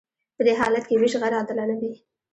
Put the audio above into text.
په دې حالت کې ویش غیر عادلانه وي.